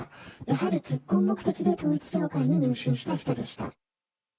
やはり結婚目的で統一教会に入信した人でした。